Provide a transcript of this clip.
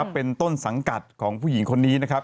เป็นต้นสังกัดของผู้หญิงคนนี้นะครับ